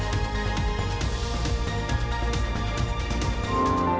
สวัสดีค่ะ